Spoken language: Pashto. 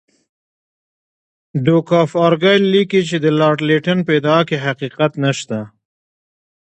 ډوک آف ارګایل لیکي چې د لارډ لیټن په ادعا کې حقیقت نشته.